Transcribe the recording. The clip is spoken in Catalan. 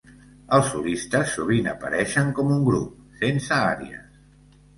Els solistes sovint apareixen com un grup, sense àries.